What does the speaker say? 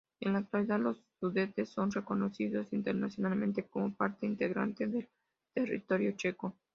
En la actualidad, los Sudetes son reconocidos internacionalmente como parte integrante del territorio checo.